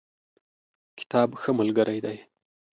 کتاب ښه ملګری دی.